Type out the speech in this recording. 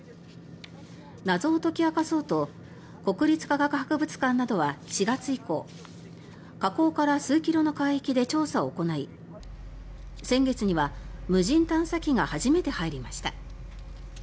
謎を解き明かそうと国立科学博物館などは４月以降火口から数キロの海域で調査を行い先月には無人探査機が初めて入りました。